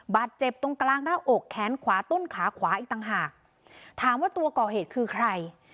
บาดเจ็บตรงกลางหน้าอกแขนขวาต้นขาขวาอีกต่างหากถามว่าตัวก่อเหตุคือใคร